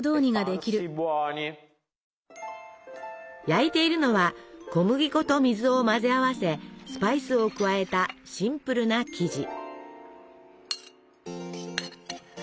焼いているのは小麦粉と水を混ぜ合わせスパイスを加えたシンプルな生地。